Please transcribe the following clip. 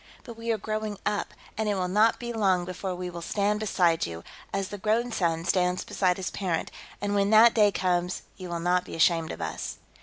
But we are growing up, and it will not be long before we will stand beside you, as the grown son stands beside his parent, and when that day comes, you will not be ashamed of us."